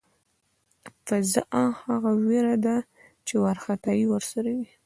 فذع هغه وېره ده چې وارخطایی ورسره وي.